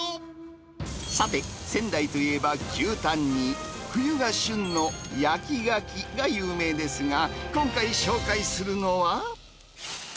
さて、仙台といえば牛タンに、冬が旬の焼きがきが有名ですが、今回紹介するのは。